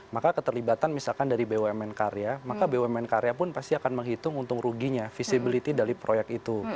maka keterlibatan misalkan dari bumn karya maka bumn karya pun pasti akan menghitung untung ruginya visibility dari proyek itu